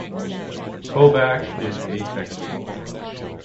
Kovach is asexual.